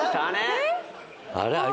あれ？